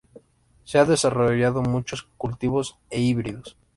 Se han desarrollado muchos cultivos e híbridos.